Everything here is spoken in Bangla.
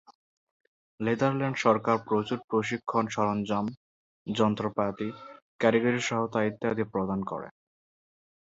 নেদারল্যান্ড সরকার প্রচুর প্রশিক্ষণ সরঞ্জাম, যন্ত্রপাতি, কারিগরি সহায়তা ইত্যাদি প্রদান করে।